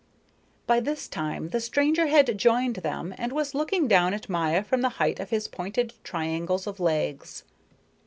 By this time the stranger had joined them and was looking down at Maya from the height of his pointed triangles of legs.